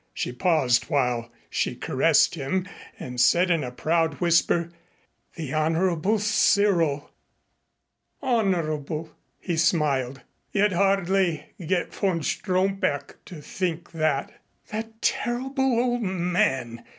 She paused while she caressed him and said in a proud whisper, "The Honorable Cyril!" "Honorable!" he smiled. "You'd hardly get von Stromberg to think that." "That terrible old man!"